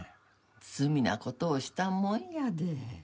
罪な事をしたもんやで。